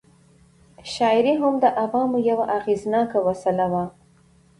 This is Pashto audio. شاعري هم د عوامو یوه اغېزناکه وسله وه.